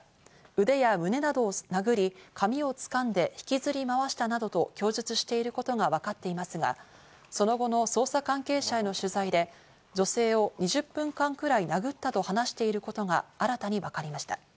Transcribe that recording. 腕や胸などを殴り、髪を掴んで引きずりまわしたなどと供述していることがわかっていますが、その後の捜査関係者への取材で、女性を２０分間くらい殴ったと話していることが新たに分かりました。